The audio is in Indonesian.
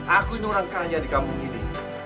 aku ini orang kaya di kampung ini